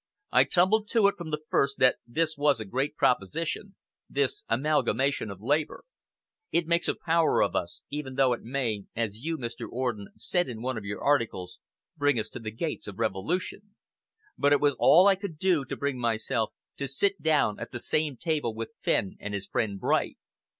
I tumbled to it from the first that this was a great proposition, this amalgamation of Labour. It makes a power of us, even though it may, as you, Mr. Orden, said in one of your articles, bring us to the gates of revolution. But it was all I could do to bring myself to sit down at the same table with Fenn and his friend Bright.